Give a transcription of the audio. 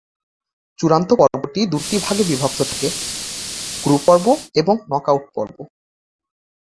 চূড়ান্ত পর্বটি দুইটি ভাগে বিভক্ত থাকে: গ্রুপ পর্ব এবং নকআউট পর্ব।